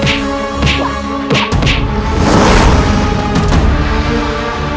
perasaan semua saping kayak gini